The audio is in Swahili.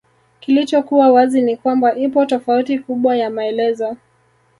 Kilichokuwa wazi ni kwamba ipo tofauti kubwa ya maelezo